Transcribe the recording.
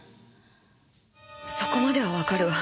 そこまではわかるわ。